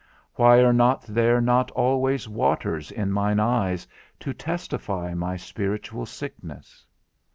Why are there not always waters in mine eyes, to testify my spiritual sickness?